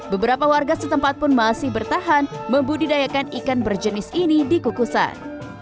beberapa warga setempat pun masih bertahan membudidayakan ikan berjenis ini di kukusan